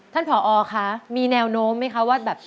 ผอคะมีแนวโน้มไหมคะว่าแบบ